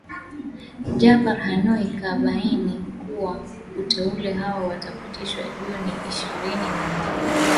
Jaffar Haniu kabainiaha kuwa wateule hao wataapishwa Juni ishirini na moja